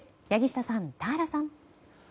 柳下さん、田原さん。